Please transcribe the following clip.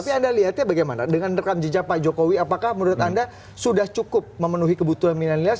tapi anda lihatnya bagaimana dengan rekam jejak pak jokowi apakah menurut anda sudah cukup memenuhi kebutuhan milenial